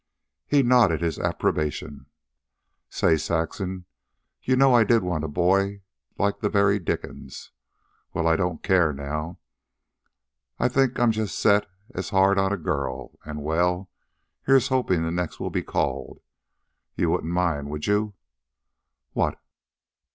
He nodded his approbation. "Say, Saxon, you know I did want a boy like the very dickens... well, I don't care now. I think I'm set just as hard on a girl, an', well, here's hopin' the next will be called... you wouldn't mind, would you?" "What?"